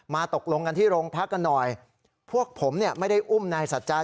ตกลงกันที่โรงพักกันหน่อยพวกผมเนี่ยไม่ได้อุ้มนายสัจจา